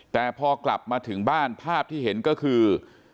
แต่พอกลับมาถึงบ้านภาพที่เห็นก็คือ